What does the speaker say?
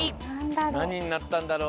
なにになったんだろう？